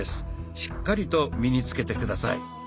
しっかりと身につけて下さい。